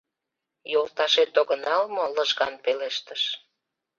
Йолташет огынал мо? — лыжган пелештыш.